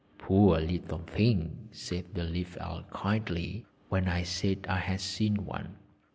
"Poor little things!" said the Leaf Elf kindly, when I said I had seen one.